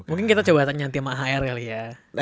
mungkin kita coba nyantimah hr kali ya